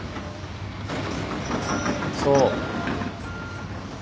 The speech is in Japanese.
そう。